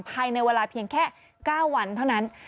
ภายในเวลาเพียงแค่๙วันเท่านั้น